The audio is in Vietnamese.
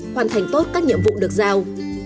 hoàn thành tốt các nhiệm vụ được giao